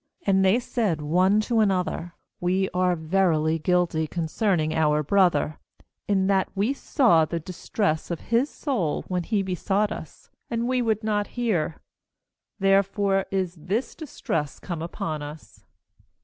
21And they said one to another: 'We are verily guilty concerning our broth er, in that we saw the distress of his soul, when he besought us, and we would not hear; therefore is this dis tress come upon us.'